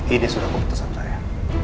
ini sudah keputusan saya